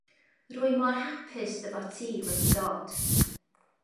Rwy mor hapus dy fod ti wedi dod.